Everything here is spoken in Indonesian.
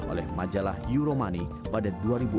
oleh majalah euromoney pada tahun dua ribu enam belas